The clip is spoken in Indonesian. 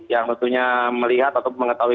yang tentunya melihat atau mengetahui